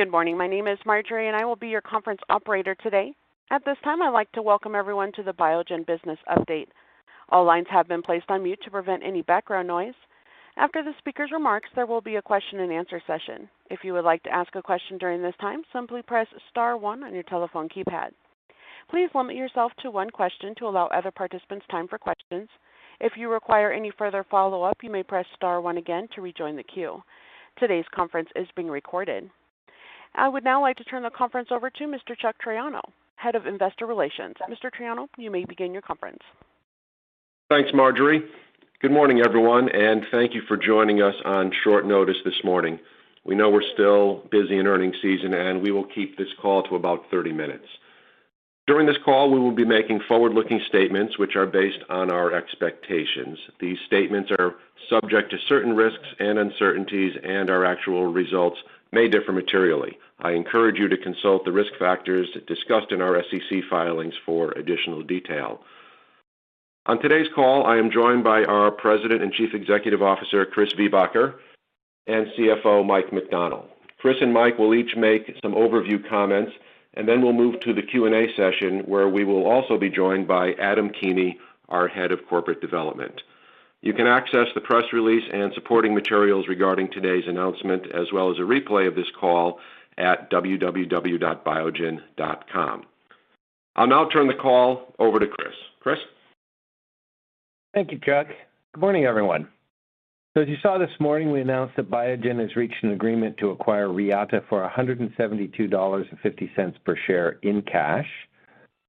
Good morning. My name is Marjorie. I will be your conference operator today. At this time, I'd like to welcome everyone to the Biogen Business Update. All lines have been placed on mute to prevent any background noise. After the speaker's remarks, there will be a question and answer session. If you would like to ask a question during this time, simply press star 1 on your telephone keypad. Please limit yourself to 1 question to allow other participants time for questions. If you require any further follow-up, you may press star 1 again to rejoin the queue. Today's conference is being recorded. I would now like to turn the conference over to Mr. Chuck Triano, Head of Investor Relations. Mr. Triano, you may begin your conference. Thanks, Marjorie. Good morning, everyone, and thank you for joining us on short notice this morning. We know we're still busy in earnings season. We will keep this call to about 30 minutes. During this call, we will be making forward-looking statements which are based on our expectations. These statements are subject to certain risks and uncertainties. Our actual results may differ materially. I encourage you to consult the risk factors discussed in our SEC filings for additional detail. On today's call, I am joined by our President and Chief Executive Officer, Christopher Viehbacher, and CFO, Michael McDonnell. Chris and Mike will each make some overview comments. Then we'll move to the Q&A session, where we will also be joined by Adam Keeney, our Head of Corporate Development. You can access the press release and supporting materials regarding today's announcement, as well as a replay of this call at www.Biogen.com. I'll now turn the call over to Chris. Chris? Thank you, Chuck. Good morning, everyone. As you saw this morning, we announced that Biogen has reached an agreement to acquire Reata for $172.50 per share in cash.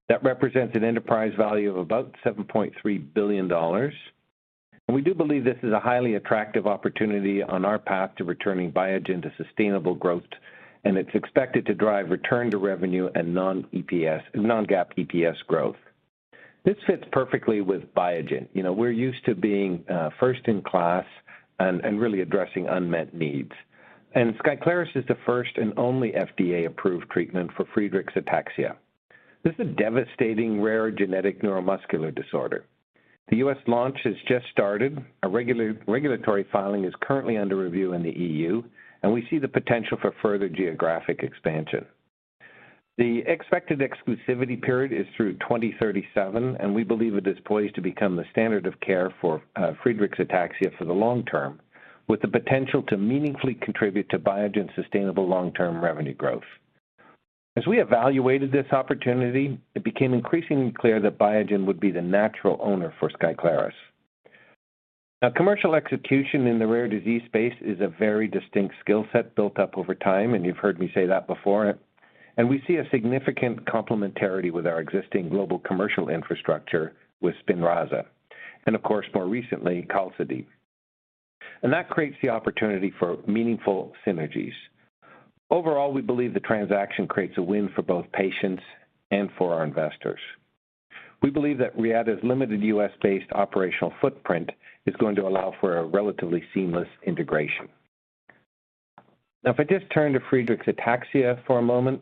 That represents an enterprise value of about $7.3 billion. We do believe this is a highly attractive opportunity on our path to returning Biogen to sustainable growth, and it's expected to drive return to revenue and non-GAAP EPS growth. This fits perfectly with Biogen. You know, we're used to being first in class and, and really addressing unmet needs. Skyclarys is the first and only FDA-approved treatment for Friedreich's ataxia. This is a devastating, rare genetic neuromuscular disorder. The U.S. launch has just started. A regulatory filing is currently under review in the EU, and we see the potential for further geographic expansion. The expected exclusivity period is through 2037. We believe it is poised to become the standard of care for Friedreich's ataxia for the long term, with the potential to meaningfully contribute to Biogen's sustainable long-term revenue growth. As we evaluated this opportunity, it became increasingly clear that Biogen would be the natural owner for Skyclarys. Now, commercial execution in the rare disease space is a very distinct skill set built up over time. You've heard me say that before. We see a significant complementarity with our existing global commercial infrastructure with Spinraza, and of course, more recently, Qalsody. That creates the opportunity for meaningful synergies. Overall, we believe the transaction creates a win for both patients and for our investors. We believe that Reata's limited U.S.-based operational footprint is going to allow for a relatively seamless integration. Now, if I just turn to Friedreich's ataxia for a moment,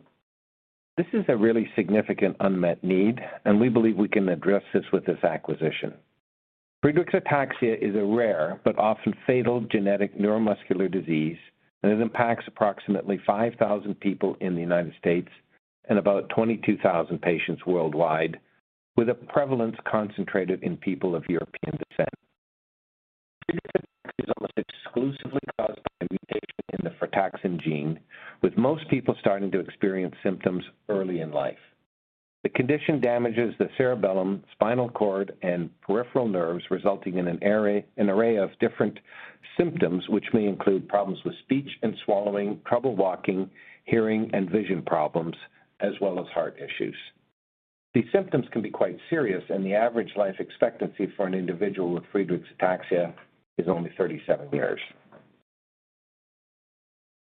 this is a really significant unmet need. We believe we can address this with this acquisition. Friedreich's ataxia is a rare but often fatal genetic neuromuscular disease. It impacts approximately 5,000 people in the United States and about 22,000 patients worldwide, with a prevalence concentrated in people of European descent. Friedreich's ataxia is almost exclusively caused by a mutation in the frataxin gene, with most people starting to experience symptoms early in life. The condition damages the cerebellum, spinal cord, and peripheral nerves, resulting in an array, an array of different symptoms, which may include problems with speech and swallowing, trouble walking, hearing and vision problems, as well as heart issues. These symptoms can be quite serious. The average life expectancy for an individual with Friedreich's ataxia is only 37 years.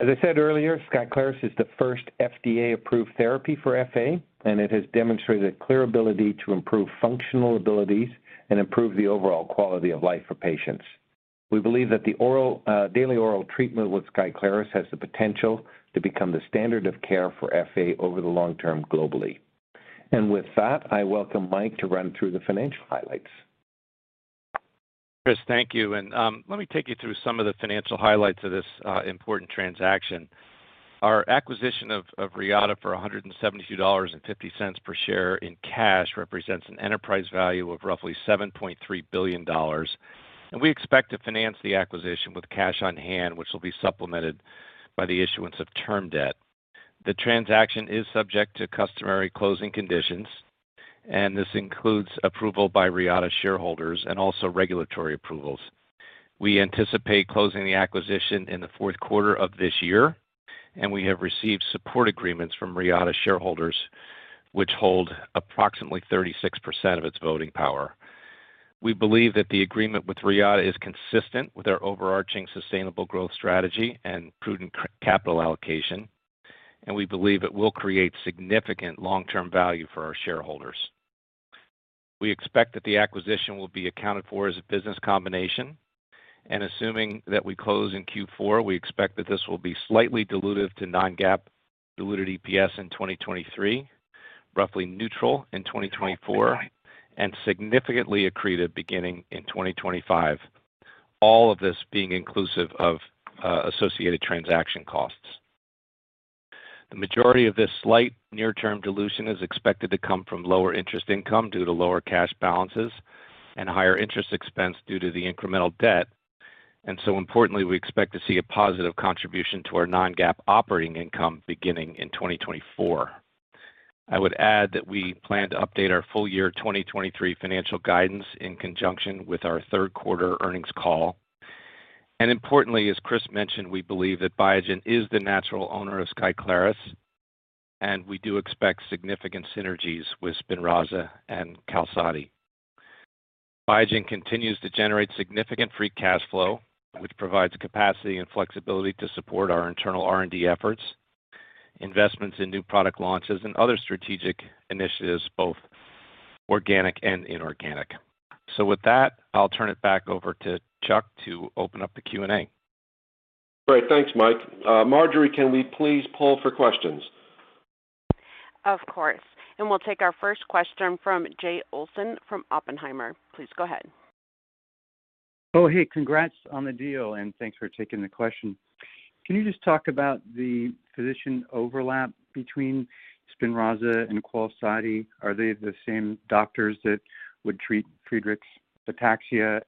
As I said earlier, Skyclarys is the first FDA-approved therapy for FA, and it has demonstrated a clear ability to improve functional abilities and improve the overall quality of life for patients. We believe that the oral, daily oral treatment with Skyclarys has the potential to become the standard of care for FA over the long term globally. With that, I welcome Mike to run through the financial highlights. Chris, thank you. Let me take you through some of the financial highlights of this important transaction. Our acquisition of Reata for $172.50 per share in cash represents an enterprise value of roughly $7.3 billion, and we expect to finance the acquisition with cash on hand, which will be supplemented by the issuance of term debt. The transaction is subject to customary closing conditions, and this includes approval by Reata shareholders and also regulatory approvals. We anticipate closing the acquisition in the fourth quarter of this year, and we have received support agreements from Reata shareholders, which hold approximately 36% of its voting power. We believe that the agreement with Reata is consistent with our overarching sustainable growth strategy and prudent capital allocation, and we believe it will create significant long-term value for our shareholders. We expect that the acquisition will be accounted for as a business combination, assuming that we close in Q4, we expect that this will be slightly dilutive to non-GAAP diluted EPS in 2023, roughly neutral in 2024, and significantly accretive beginning in 2025. All of this being inclusive of associated transaction costs. The majority of this slight near-term dilution is expected to come from lower interest income due to lower cash balances and higher interest expense due to the incremental debt. Importantly, we expect to see a positive contribution to our non-GAAP operating income beginning in 2024. I would add that we plan to update our full year 2023 financial guidance in conjunction with our third quarter earnings call. Importantly, as Chris mentioned, we believe that Biogen is the natural owner of Skyclarys, and we do expect significant synergies with Spinraza and Qalsody. Biogen continues to generate significant free cash flow, which provides the capacity and flexibility to support our internal R&D efforts, investments in new product launches and other strategic initiatives, both organic and inorganic. With that, I'll turn it back over to Chuck to open up the Q&A. Great. Thanks, Mike. Marjorie, can we please poll for questions? Of course, we'll take our first question from Jay Olson from Oppenheimer. Please go ahead. Oh, hey, congrats on the deal. Thanks for taking the question. Can you just talk about the physician overlap between Spinraza and Qalsody? Are they the same doctors that would treat Friedreich's ataxia?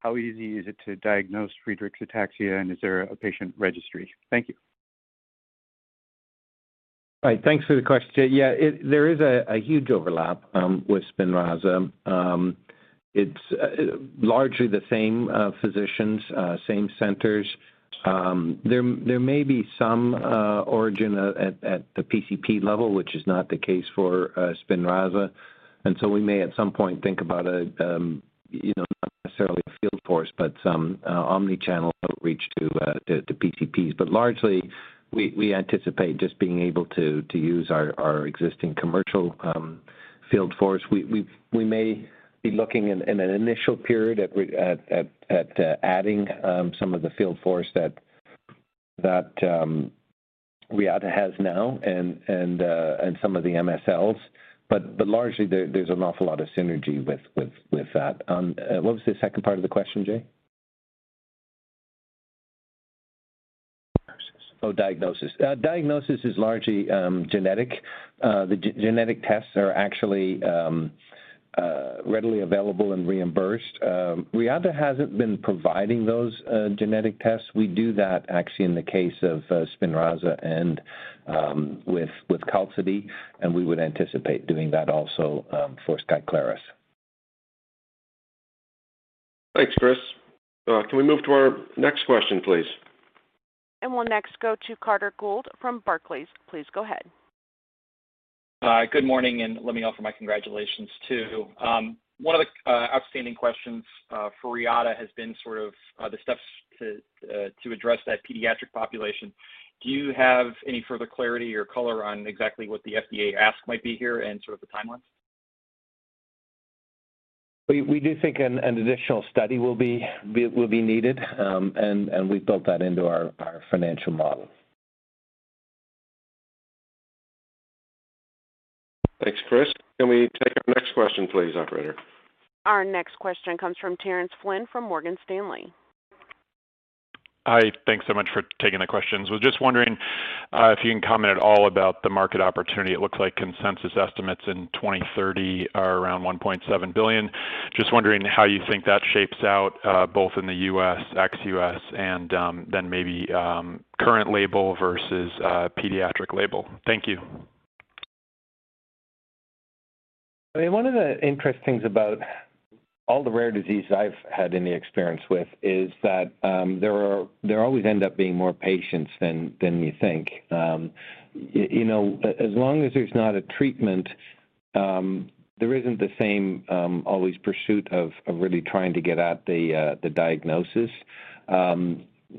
How easy is it to diagnose Friedreich's ataxia, and is there a patient registry? Thank you. All right. Thanks for the question, Jay. Yeah, there is a huge overlap with Spinraza. It's largely the same physicians, same centers. There may be some origin at the PCP level, which is not the case for Spinraza. So we may at some point think about a, you know, not necessarily a field force, but some omni-channel outreach to PCPs. Largely, we anticipate just being able to use our existing commercial field force. We may be looking in an initial period at adding some of the field force that Reata has now and some of the MSLs. Largely, there's an awful lot of synergy with that. What was the second part of the question, Jay? Oh, diagnosis. Diagnosis is largely genetic. The genetic tests are actually readily available and reimbursed. Reata hasn't been providing those genetic tests. We do that actually in the case of Spinraza and with Qalsody, and we would anticipate doing that also for Skyclarys. Thanks, Chris. Can we move to our next question, please? We'll next go to Carter Gould from Barclays. Please go ahead. Good morning, and let me offer my congratulations, too. One of the outstanding questions for Reata has been sort of the steps to address that pediatric population. Do you have any further clarity or color on exactly what the FDA ask might be here and sort of the timelines? We do think an additional study will be needed, and we've built that into our financial model. Thanks, Chris. Can we take our next question, please, operator? Our next question comes from Terence Flynn from Morgan Stanley. Hi. Thanks so much for taking the questions. Was just wondering, if you can comment at all about the market opportunity. It looks like consensus estimates in 2030 are around $1.7 billion. Just wondering how you think that shapes out, both in the U.S., ex-U.S., and, then maybe, current label versus, pediatric label. Thank you. I mean, one of the interesting things about all the rare diseases I've had any experience with is that, there always end up being more patients than you think. You know, as long as there's not a treatment, there isn't the same always pursuit of really trying to get at the diagnosis.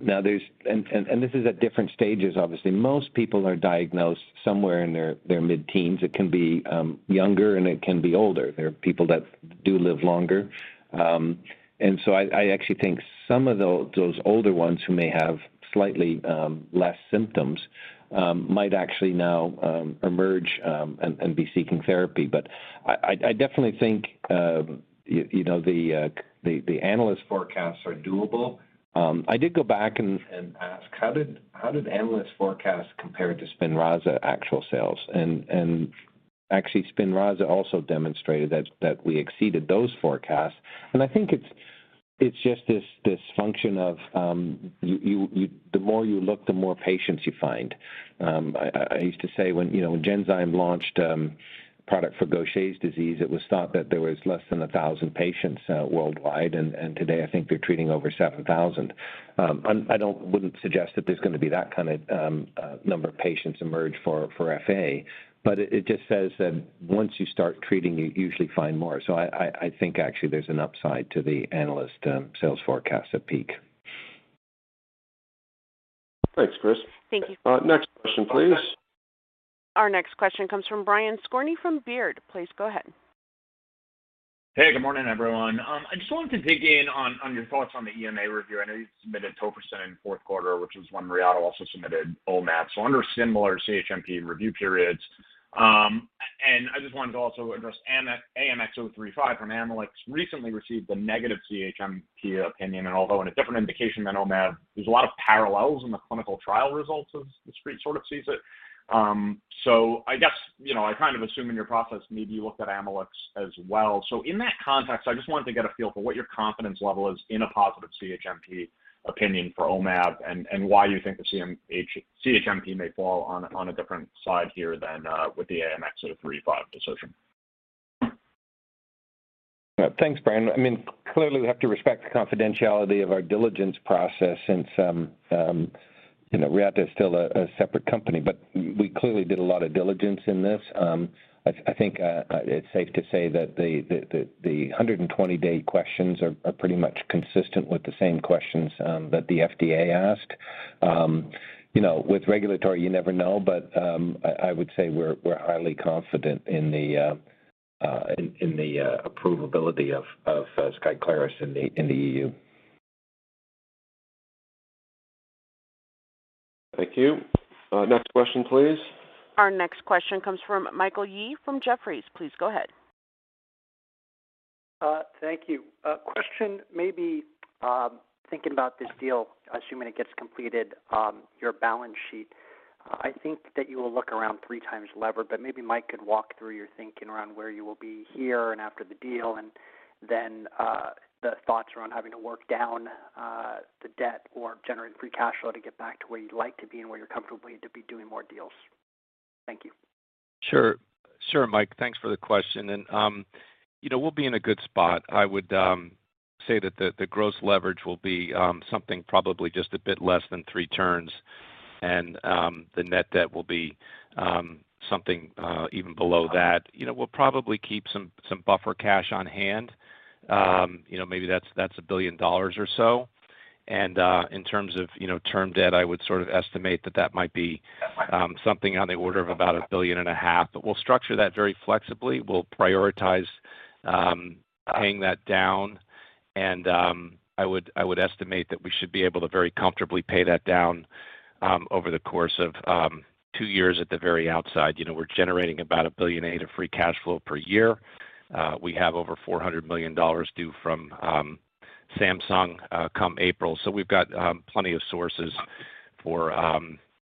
Now there's. This is at different stages, obviously. Most people are diagnosed somewhere in their mid-teens. It can be younger, and it can be older. There are people that do live longer. So I actually think some of those older ones who may have slightly less symptoms might actually now emerge and be seeking therapy. I, I, I definitely think, you know, the, the, the analyst forecasts are doable. I did go back and, and ask, "How did, how did analyst forecasts compare to Spinraza actual sales?" Actually, Spinraza also demonstrated that, that we exceeded those forecasts. I think it's, it's just this, this function of, The more you look, the more patients you find. I, I used to say when, you know, when Genzyme launched, product for Gaucher disease, it was thought that there was less than 1,000 patients worldwide, and today, I think they're treating over 7,000. Wouldn't suggest that there's going to be that kind of, number of patients emerge for, for FA, but it, it just says that once you start treating, you usually find more. I, I, I think actually there's an upside to the analyst, sales forecast at peak. Thanks, Chris. Thank you. Next question, please. Our next question comes from Brian Skorney from Baird. Please go ahead. Hey, good morning, everyone. I just wanted to dig in on, on your thoughts on the EMA review. I know you submitted tofersen in fourth quarter, which is when Reata also submitted omaveloxolone, so under similar CHMP review periods. I just wanted to also address AMX AMX0035 from Amylyx recently received a negative CHMP opinion, and although in a different indication than OMAB, there's a lot of parallels in the clinical trial results as the street sort of sees it. I guess, you know, I kind of assume in your process, maybe you looked at Amylyx as well. In that context, I just wanted to get a feel for what your confidence level is in a positive CHMP opinion for OMAB and, and why you think the CHMP may fall on, on a different side here than with the AMX0035 decision? Thanks, Brian. I mean, clearly, we have to respect the confidentiality of our diligence process since, you know, Reata is still a separate company, but we clearly did a lot of diligence in this. I, I think, it's safe to say that the 120 day questions are pretty much consistent with the same questions that the FDA asked. You know, with regulatory, you never know, but I, I would say we're highly confident in the approvability of Skyclarys in the EU. Thank you. Next question, please. Our next question comes from Michael Yee from Jefferies. Please go ahead. Thank you. A question, maybe, thinking about this deal, assuming it gets completed, your balance sheet. I think that you will look around 3 times lever. Maybe Mike could walk through your thinking around where you will be here and after the deal, then the thoughts around having to work down the debt or generating free cash flow to get back to where you'd like to be and where you're comfortably to be doing more deals. Thank you. Sure. Sure, Mike. Thanks for the question. You know, we'll be in a good spot. I would say that the gross leverage will be something probably just a bit less than three turns. The net debt will be something even below that. You know, we'll probably keep some buffer cash on hand. You know, maybe that's $1 billion or so. In terms of, you know, term debt, I would sort of estimate that that might be something on the order of about $1.5 billion. We'll structure that very flexibly. We'll prioritize paying that down. I would estimate that we should be able to very comfortably pay that down over the course of two years at the very outside. You know, we're generating about $1.8 billion of free cash flow per year. We have over $400 million due from Samsung, come April. We've got plenty of sources for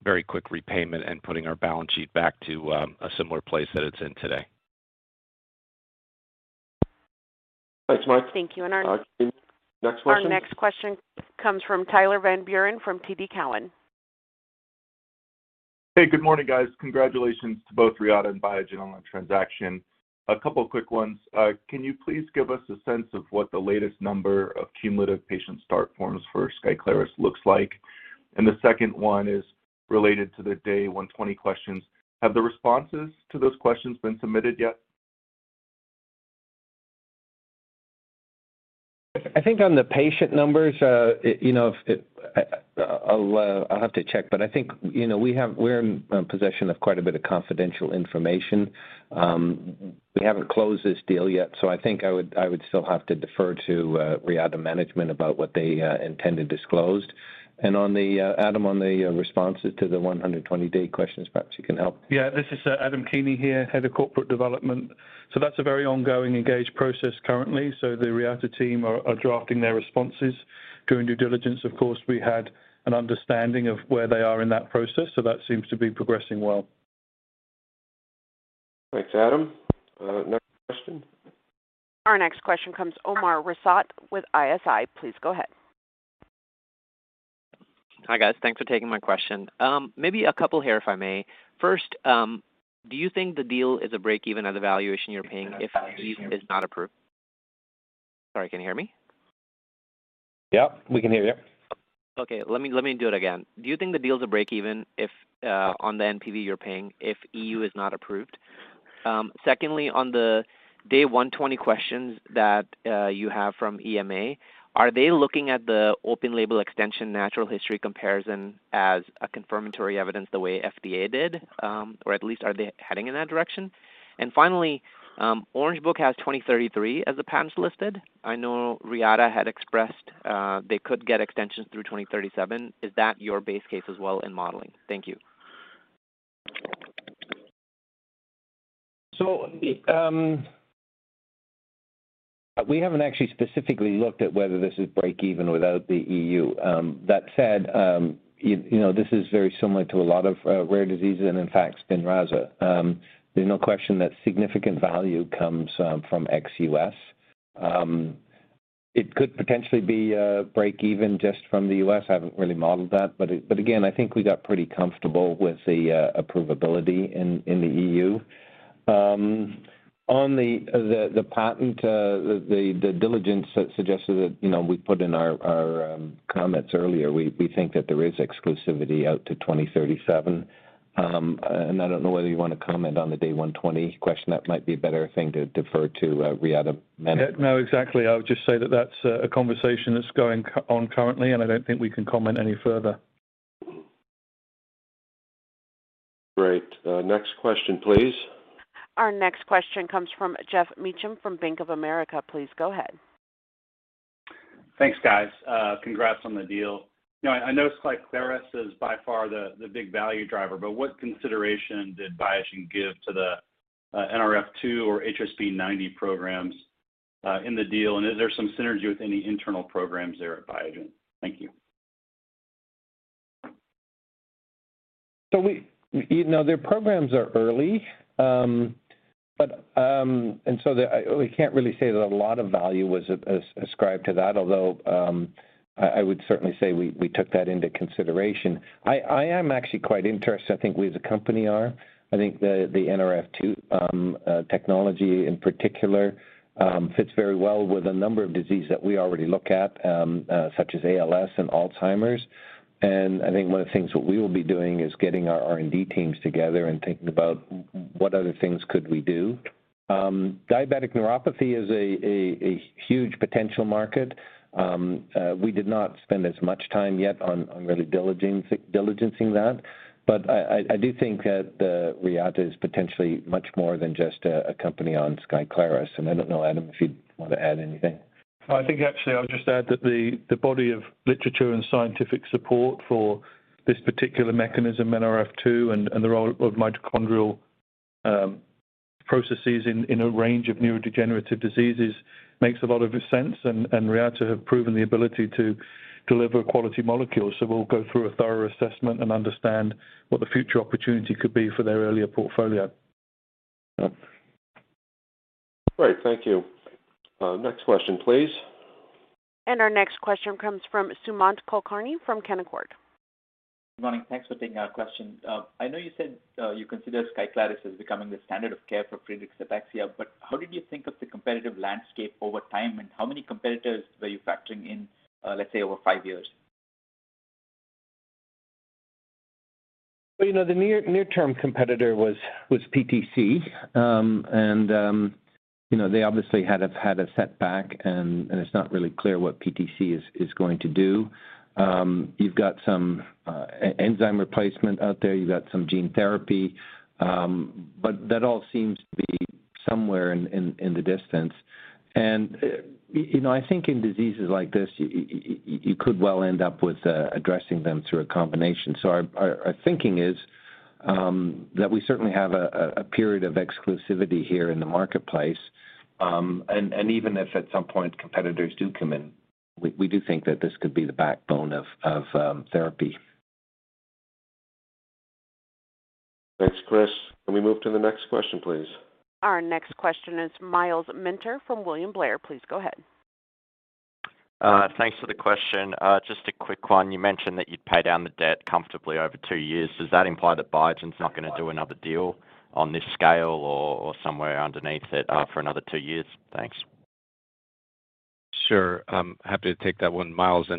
very quick repayment and putting our balance sheet back to a similar place that it's in today. Thanks, Mike. Next question. Our next question comes from Tyler Van Buren from TD Cowen. Hey, good morning, guys. Congratulations to both Reata and Biogen on the transaction. A couple of quick ones. Can you please give us a sense of what the latest number of cumulative patient start forms for Skyclarys looks like? The second one is related to the Day 120 questions. Have the responses to those questions been submitted yet? I think on the patient numbers, it, you know, it, I'll have to check, but I think, you know, we're in possession of quite a bit of confidential information. We haven't closed this deal yet, so I think I would, I would still have to defer to Reata management about what they intend to disclose. On the, Adam, on the, responses to the Day 120 questions, perhaps you can help? Yeah, this is Adam Keeney here, Head of Corporate Development. That's a very ongoing engaged process currently. The Reata team are drafting their responses. During due diligence, of course, we had an understanding of where they are in that process, that seems to be progressing well. Thanks, Adam. Next question. Our next question comes Umer Raffat with ISI. Please go ahead. Hi, guys. Thanks for taking my question. Maybe a couple here, if I may. First, do you think the deal is a break even at the valuation you're paying if EU is not approved? Sorry, can you hear me? Yeah, we can hear you. Okay, let me, let me do it again. Do you think the deal is a break even if, on the NPV you're paying, if EU is not approved? Secondly, on the Day 120 questions that, you have from EMA, are they looking at the open-label extension natural history comparison as a confirmatory evidence the way FDA did? Or at least are they heading in that direction? Finally, Orange Book has 2033 as the patents listed. I know Reata had expressed, they could get extensions through 2037. Is that your base case as well in modeling? Thank you. We haven't actually specifically looked at whether this is break even without the EU. That said, you know, this is very similar to a lot of rare diseases and in fact, Spinraza. There's no question that significant value comes from ex-US. It could potentially be a break even just from the US. I haven't really modeled that, but again, I think we got pretty comfortable with the approvability in the EU. On the patent diligence suggested that, you know, we put in our comments earlier, we think that there is exclusivity out to 2037. And I don't know whether you want to comment on the Day 120 question. That might be a better thing to defer to Reata management. Yeah. No, exactly. I would just say that that's a, a conversation that's going on currently, and I don't think we can comment any further. Great. Next question, please. Our next question comes from Geoff Meacham from Bank of America. Please go ahead. Thanks, guys. Congrats on the deal. You know, I noticed like Skyclarys is by far the big value driver, but what consideration did Biogen give to the Nrf2 or Hsp90 programs in the deal? Is there some synergy with any internal programs there at Biogen? Thank you. We, you know, their programs are early, but I, we can't really say that a lot of value was ascribed to that, although, I, I would certainly say we, we took that into consideration. I, I am actually quite interested. I think we as a company are. I think the Nrf2 technology in particular, fits very well with a number of diseases that we already look at, such as ALS and Alzheimer's. I think one of the things that we will be doing is getting our R&D teams together and thinking about what other things could we do. diabetic neuropathy is a, a, a huge potential market. We did not spend as much time yet on, on really diligencing, diligencing that, but I, I, I do think that the Reata is potentially much more than just a, a company on Skyclarys. I don't know, Adam, if you'd want to add anything. I think actually I'll just add that the, the body of literature and scientific support for this particular mechanism, Nrf2, and, and the role of mitochondrial processes in, in a range of neurodegenerative diseases makes a lot of sense, and, and Reata have proven the ability to deliver quality molecules. We'll go through a thorough assessment and understand what the future opportunity could be for their earlier portfolio. Great. Thank you. Next question, please. Our next question comes from Sumant Kulkarni from Canaccord. Good morning. Thanks for taking our question. I know you said, you consider Skyclarys as becoming the standard of care for Friedreich's ataxia, but how did you think of the competitive landscape over time, and how many competitors were you factoring in, let's say, over 5 years? Well, you know, the near, near-term competitor was, was PTC. They obviously had a, had a setback, and, and it's not really clear what PTC is, is going to do. You've got some enzyme replacement out there. You've got some gene therapy. That all seems to be somewhere in, in, in the distance. You know, I think in diseases like this, y-y-you could well end up with addressing them through a combination. Our, our, our thinking is that we certainly have a, a period of exclusivity here in the marketplace. Even if at some point competitors do come in, we, we do think that this could be the backbone of therapy. Thanks, Chris. Can we move to the next question, please? Our next question is Myles Minter from William Blair. Please go ahead. Thanks for the question. Just a quick one. You mentioned that you'd pay down the debt comfortably over two years. Does that imply that Biogen's not going to do another deal on this scale or, or somewhere underneath it, for another two years? Thanks. Sure. I'm happy to take that one, Myles.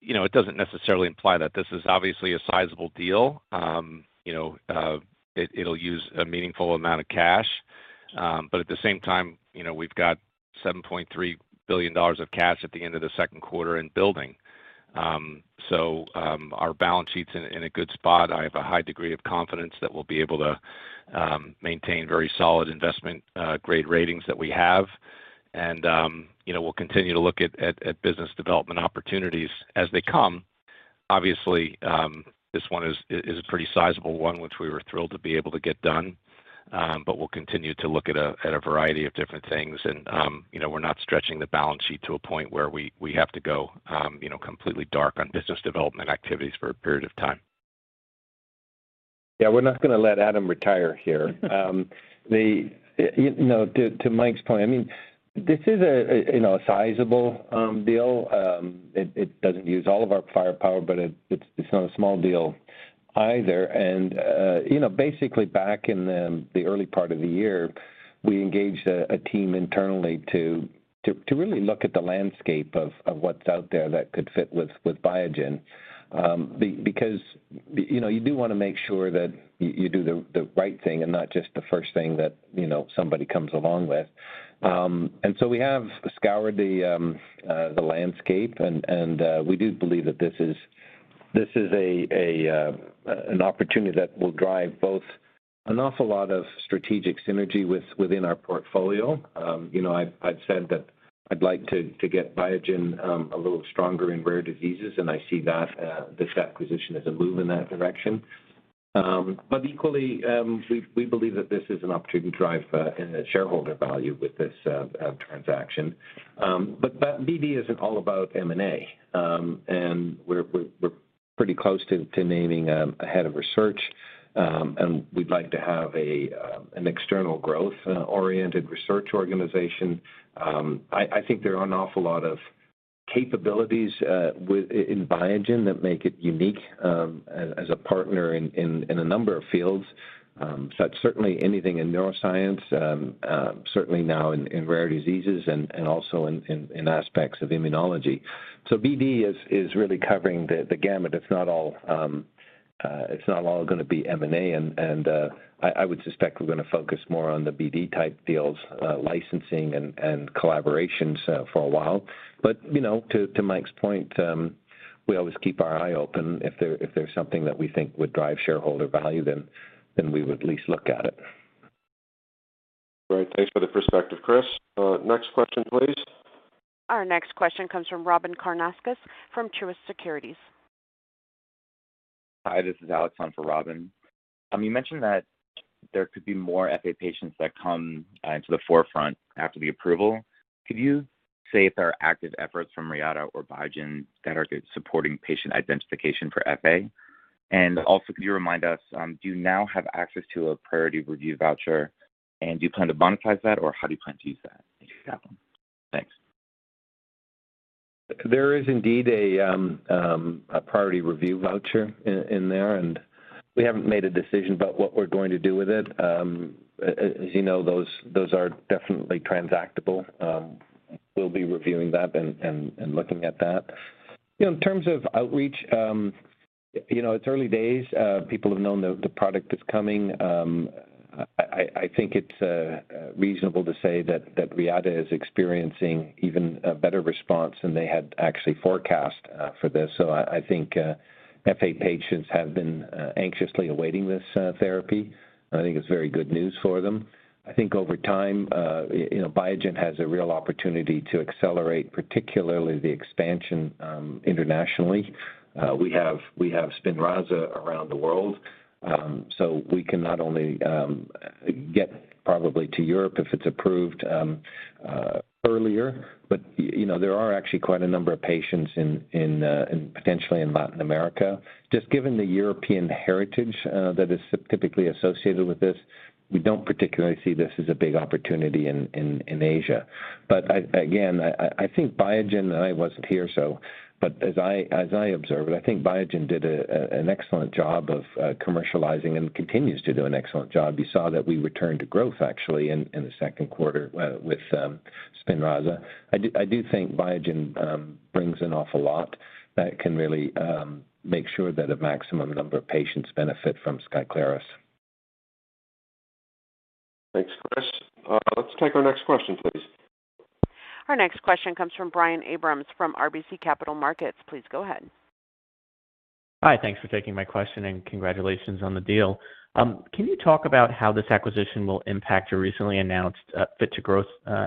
You know, it doesn't necessarily imply that. This is obviously a sizable deal. You know, it, it'll use a meaningful amount of cash. At the same time, you know, we've got $7.3 billion of cash at the end of the second quarter in building. Our balance sheet's in, in a good spot. I have a high degree of confidence that we'll be able to maintain very solid investment grade ratings that we have. You know, we'll continue to look at, at, at business development opportunities as they come. Obviously, this one is, is a pretty sizable one, which we were thrilled to be able to get done. We'll continue to look at a, at a variety of different things. You know, we're not stretching the balance sheet to a point where we, we have to go, you know, completely dark on business development activities for a period of time. Yeah, we're not going to let Adam retire here. The, you know, to, to Mike's point, I mean, this is a, a, you know, a sizable deal. It, it doesn't use all of our firepower, but it, it's, it's not a small deal either. You know, basically back in the, the early part of the year, we engaged a, a team internally to, to, to really look at the landscape of, of what's out there that could fit with, with Biogen. Because, you know, you do want to make sure that you, you do the, the right thing and not just the first thing that, you know, somebody comes along with. We have scoured the landscape, and we do believe that this is an opportunity that will drive both an awful lot of strategic synergy within our portfolio. You know, I've said that I'd like to get Biogen a little stronger in rare diseases, and I see that this acquisition as a move in that direction. Equally, we believe that this is an opportunity to drive shareholder value with this transaction. BD isn't all about M&A. We're pretty close to naming a head of research, and we'd like to have an external growth oriented research organization. I, I think there are an awful lot of capabilities with, in Biogen that make it unique as, as a partner in, in, in a number of fields. That's certainly anything in neuroscience, certainly now in, in rare diseases and, and also in, in, in aspects of immunology. BD is, is really covering the, the gamut. It's not all, it's not all going to be M&A. I, I would suspect we're going to focus more on the BD-type deals, licensing and, and collaborations for a while. You know, to, to Mike's point, we always keep our eye open. If there, if there's something that we think would drive shareholder value, then, then we would at least look at it. Great. Thanks for the perspective, Chris. Next question, please. Our next question comes from Robyn Karnauskas from Truist Securities. Hi, this is Alex on for Robyn. You mentioned that there could be more FA patients that come into the forefront after the approval. Could you say if there are active efforts from Reata or Biogen that are supporting patient identification for FA? Also, could you remind us, do you now have access to a priority review voucher, and do you plan to monetize that, or how do you plan to use that if you have one? Thanks. There is indeed a priority review voucher in there. We haven't made a decision about what we're going to do with it. As you know, those are definitely transactable. We'll be reviewing that and looking at that. You know, in terms of outreach, you know, it's early days. People have known the product is coming. I think it's reasonable to say that Reata is experiencing even a better response than they had actually forecast for this. I think FA patients have been anxiously awaiting this therapy. I think it's very good news for them. I think over time, you know, Biogen has a real opportunity to accelerate, particularly the expansion internationally. we have, we have Spinraza around the world, so we can not only get probably to Europe if it's approved, earlier. You know, there are actually quite a number of patients in potentially in Latin America. Just given the European heritage, that is typically associated with this, we don't particularly see this as a big opportunity in Asia. I, again, I, I, I think Biogen, and I wasn't here, so, but as I, as I observed, I think Biogen did an excellent job of commercializing and continues to do an excellent job. You saw that we returned to growth, actually, in the second quarter with Spinraza. I do, I do think Biogen brings an awful lot that can really make sure that a maximum number of patients benefit from Skyclarys. Thanks, Chris. Let's take our next question, please. Our next question comes from Brian Abrahams from RBC Capital Markets. Please go ahead. Hi, thanks for taking my question, and congratulations on the deal. Can you talk about how this acquisition will impact your recently announced, Fit for Growth,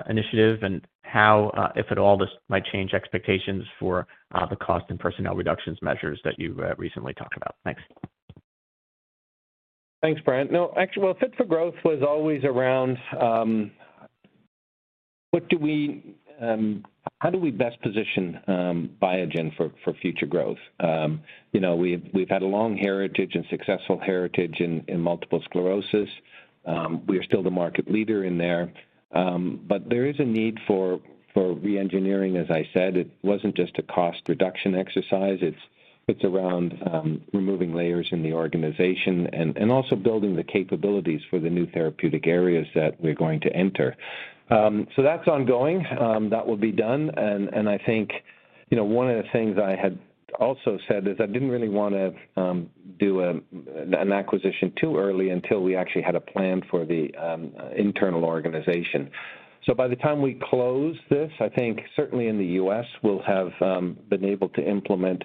initiative? How, if at all, this might change expectations for, the cost and personnel reductions measures that you've, recently talked about? Thanks. Thanks, Brian. No, actually, well, Fit for Growth was always around, what do we, how do we best position Biogen for, for future growth? You know, we've, we've had a long heritage and successful heritage in, in multiple sclerosis. We are still the market leader in there, there is a need for, for reengineering, as I said. It wasn't just a cost reduction exercise. It's, it's around, removing layers in the organization and, and also building the capabilities for the new therapeutic areas that we're going to enter. That's ongoing. That will be done, and, I think, you know, one of the things I had also said is I didn't really want to, do, an acquisition too early until we actually had a plan for the, internal organization. By the time we close this, I think certainly in the U.S., we'll have been able to implement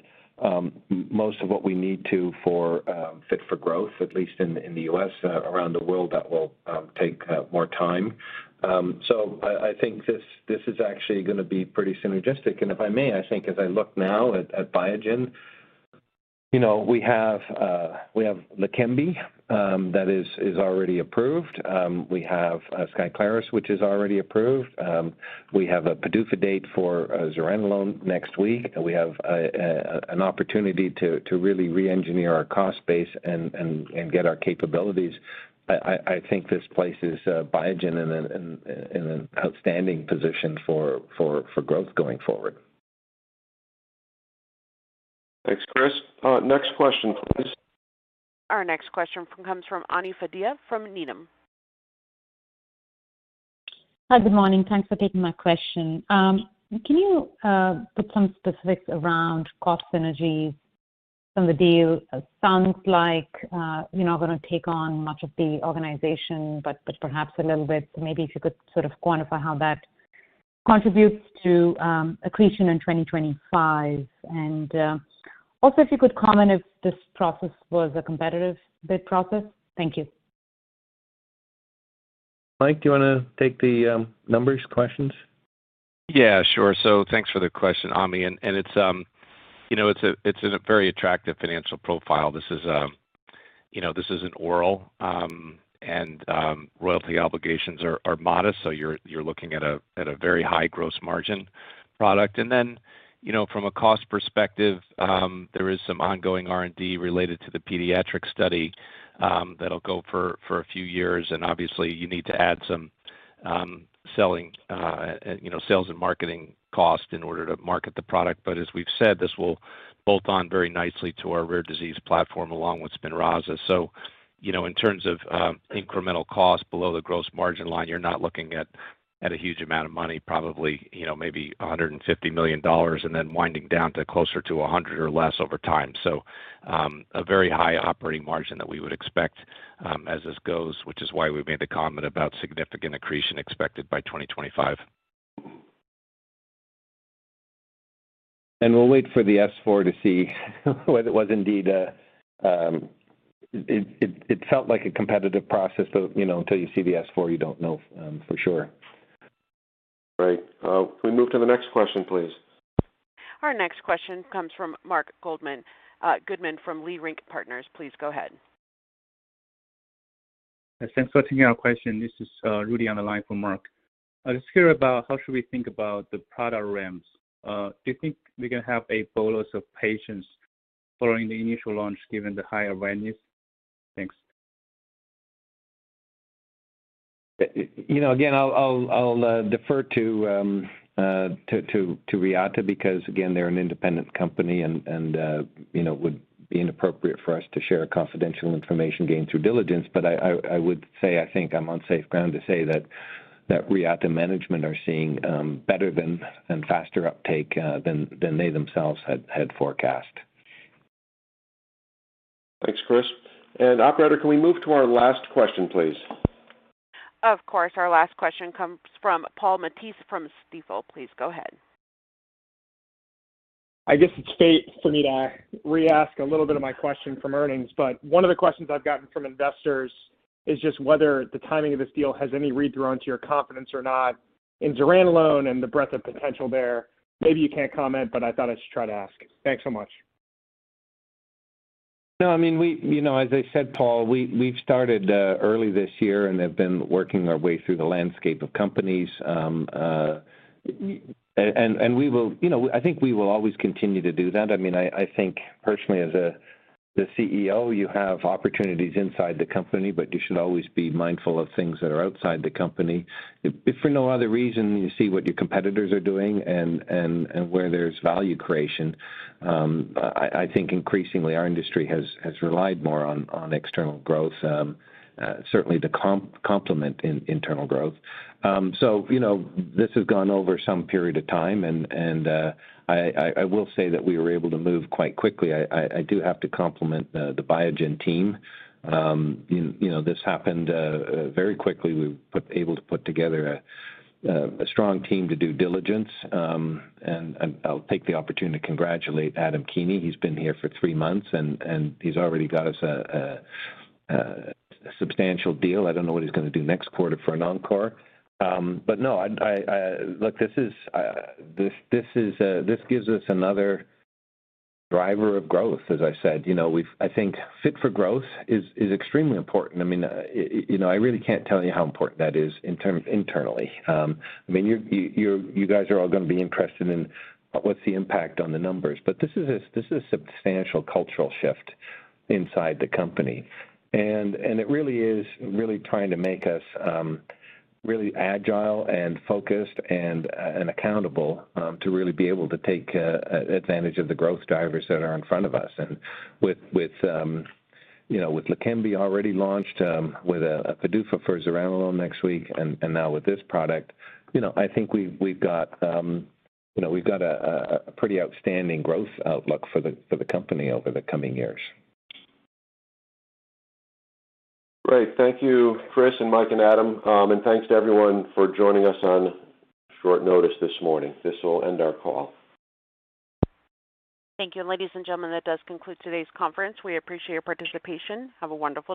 most of what we need to for Fit for Growth, at least in the U.S. Around the world, that will take more time. I think this, this is actually gonna be pretty synergistic. If I may, I think as I look now at Biogen, you know, we have we have Leqembi that is already approved. We have Skyclarys, which is already approved. We have a PDUFA date for zuranolone next week, and we have an opportunity to really reengineer our cost base and get our capabilities. I think this places Biogen in an outstanding position for growth going forward. Thanks, Chris. Next question, please. Our next question comes from Ami Fadia from Needham. Hi, good morning. Thanks for taking my question. Can you put some specifics around cost synergies from the deal? It sounds like you're not gonna take on much of the organization, but, but perhaps a little bit. Maybe if you could sort of quantify how that contributes to accretion in 2025. Also, if you could comment if this process was a competitive bid process? Thank you. Mike, do you want to take the numbers questions? Yeah, sure. Thanks for the question, Ami. And it's, you know, it's a, it's a very attractive financial profile. This is, you know, this is an oral, and royalty obligations are, are modest, so you're, you're looking at a, at a very high gross margin product. Then, you know, from a cost perspective, there is some ongoing R&D related to the pediatric study, that'll go for, for a few years. Obviously, you need to add some selling, you know, sales and marketing cost in order to market the product. As we've said, this will bolt on very nicely to our rare disease platform, along with Spinraza. You know, in terms of incremental cost below the gross margin line, you're not looking at, at a huge amount of money, probably, you know, maybe $150 million, and then winding down to closer to $100 or less over time. A very high operating margin that we would expect as this goes, which is why we made the comment about significant accretion expected by 2025. We'll wait for the S-4 to see whether it was indeed a, it felt like a competitive process, but, you know, until you see the S-4, you don't know, for sure. Right. Can we move to the next question, please? Our next question comes from Marc Goodman, Goodman from Leerink Partners. Please go ahead. Thanks for taking our question. This is, Rudy on the line for Marc. I was curious about how should we think about the product ramps? Do you think we're gonna have a bolus of patients following the initial launch, given the high awareness? Thanks. You know, again, I'll, I'll, I'll defer to to to Reata because, again, they're an independent company and, and, you know, it would be inappropriate for us to share confidential information gained through diligence. I, I, I would say, I think I'm on safe ground to say that, that Reata management are seeing better than, and faster uptake than, than they themselves had, had forecast. Thanks, Chris. Operator, can we move to our last question, please? Of course. Our last question comes from Paul Matteis from Stifel. Please go ahead. I guess it's fate for me to re-ask a little bit of my question from earnings, one of the questions I've gotten from investors is just whether the timing of this deal has any read-through onto your confidence or not in zuranolone and the breadth of potential there. Maybe you can't comment, I thought I should try to ask. Thanks so much. No, I mean, you know, as I said, Paul, we, we've started early this year and have been working our way through the landscape of companies. We will, you know, I think we will always continue to do that. I mean, I, I think personally as a, the CEO, you have opportunities inside the company, but you should always be mindful of things that are outside the company. If, if for no other reason, you see what your competitors are doing and, and, and where there's value creation. I, I think increasingly our industry has, has relied more on, on external growth, certainly to complement internal growth. You know, this has gone over some period of time, and, and, I, I, I will say that we were able to move quite quickly. I, I, I do have to compliment the Biogen team. You, you know, this happened very quickly. We put able to put together a strong team to due diligence. I'll take the opportunity to congratulate Adam Keeney. He's been here for 3 months, and he's already got us a substantial deal. I don't know what he's gonna do next quarter for an encore. No, I, I, I... Look, this is this, this is this gives us another driver of growth. As I said, you know, I think Fit for Growth is extremely important. I mean, you know, I really can't tell you how important that is in terms internally. I mean, you're, you, you, you guys are all gonna be interested in what's the impact on the numbers, but this is a, this is a substantial cultural shift inside the company. It really is really trying to make us really agile and focused and accountable to really be able to take advantage of the growth drivers that are in front of us. With, with, you know, with Leqembi already launched, with a PDUFA for zuranolone next week, and now with this product, you know, I think we've, we've got, you know, we've got a pretty outstanding growth outlook for the company over the coming years. Great. Thank you, Chris and Mike and Adam. Thanks to everyone for joining us on short notice this morning. This will end our call. Thank you. Ladies and gentlemen, that does conclude today's conference. We appreciate your participation. Have a wonderful day.